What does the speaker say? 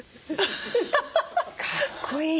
かっこいい。